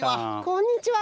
こんにちは。